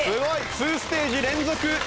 ２ステージ連続１抜け！